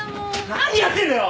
何やってんだよ！